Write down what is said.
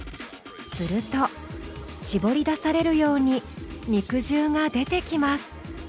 すると絞り出されるように肉汁が出てきます。